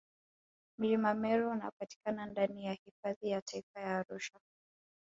mlima meru unapatikana ndani ya hifadhi ya taifa ya arusha